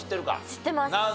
知ってます。